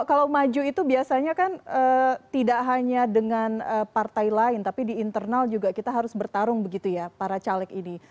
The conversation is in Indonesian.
kalau maju itu biasanya kan tidak hanya dengan partai lain tapi di internal juga kita harus bertarung begitu ya para caleg ini